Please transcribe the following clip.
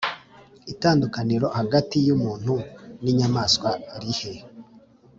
itandukaniro hagati y umuntu n inyamaswa rihe